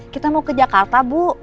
kita mau ke jakarta bu